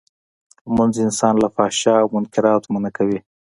لمونځ انسان له فحشا او منکراتو منعه کوی.